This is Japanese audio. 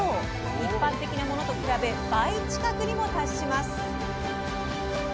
一般的なものと比べ倍近くにも達します。